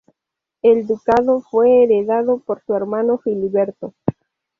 El ducado fue heredado por su hermano Filiberto.